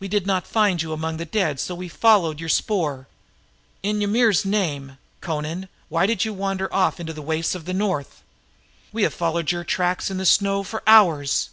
We did not find you among the dead, so we followed your spoor. In Ymir's name, Amra, why did you wander off into the wastes of the north? We have followed your tracks in the snow for hours.